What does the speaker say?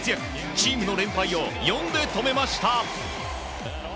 チームの連敗を４で止めました。